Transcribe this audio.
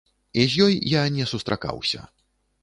І з ёй я не сустракаўся.